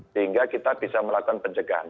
sehingga kita bisa melakukan pencegahan